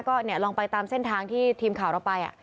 ก็ลองไปตามเส้นทางที่ทีมข่าวเราไป